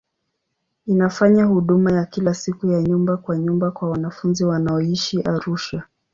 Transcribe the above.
Inafanya huduma ya kila siku ya nyumba kwa nyumba kwa wanafunzi wanaoishi Arusha.